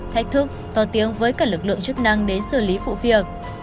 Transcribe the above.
thách thức to tiếng với cả lực lượng chức năng đến xử lý vụ việc